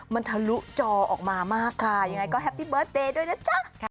มันทะลุจอออกมามากค่ะยังไงก็แฮปปี้เบิร์ตเดย์ด้วยนะจ๊ะ